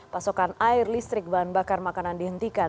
pasokan air listrik bahan bakar makanan dihentikan